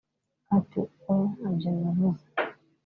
Ati “Oya ntabyo navuze